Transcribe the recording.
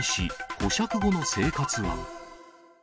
保釈後の生活は？